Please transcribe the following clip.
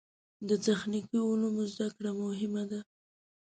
د تخنیکي علومو زده کړه مهمه ده.